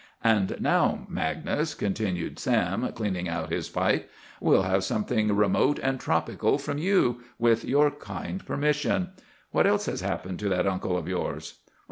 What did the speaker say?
"And now, Magnus," continued Sam, cleaning out his pipe, "we'll have something remote and tropical from you, with your kind permission. What else has happened to that uncle of yours?"